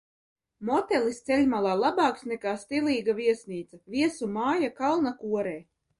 Motelis ceļmalā labāks nekā stilīga viesnīca, viesu māja kalna korē.